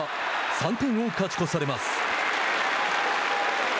３点を勝ち越されます。